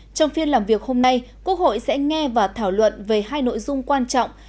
trong phiên làm việc hôm nay quốc hội sẽ nghe và thảo luận về hai nội dung quan trọng